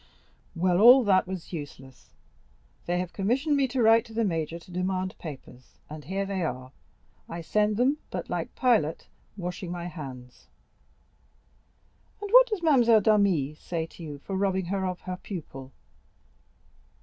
Well, all that was useless. They have commissioned me to write to the major to demand papers, and here they are. I send them, but like Pilate—washing my hands." "And what does Mademoiselle d'Armilly say to you for robbing her of her pupil?"